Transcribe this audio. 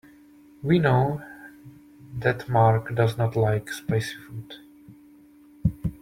We know that Mark does not like spicy food.